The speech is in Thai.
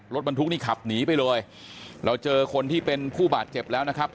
รถบรรทุกนี่ขับหนีไปเลยเราเจอคนที่เป็นผู้บาดเจ็บแล้วนะครับ